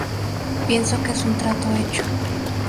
Pienso que es un trato hecho.